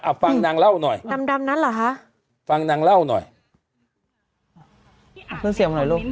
ฟังนางเล่าหน่อยดำดำนั้นเหรอคะฟังนางเล่าหน่อยอ่ะฟังเสียงหน่อยลูก